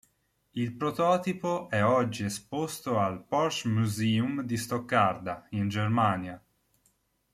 Il prototipo è oggi esposto al Porsche Museum di Stoccarda, in Germania.